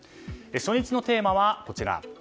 初日のテーマはこちら。